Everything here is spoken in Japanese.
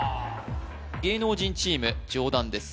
芸能人チーム上段です